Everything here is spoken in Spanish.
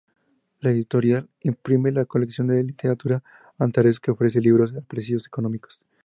La editorial imprime la colección de literatura "Antares", que ofrece libros a precios económicos.